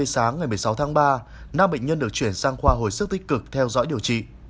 sáng ngày một mươi sáu tháng ba năm bệnh nhân được chuyển sang khoa hồi sức tích cực theo dõi điều trị